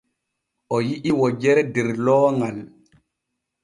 O yi’i wojere der looŋal.